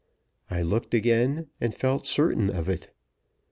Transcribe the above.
I looked again, and felt certain of it.